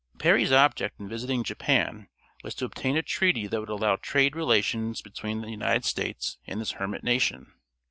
Perry's object in visiting Japan was to obtain a treaty that would allow trade relations between the United States and this hermit nation.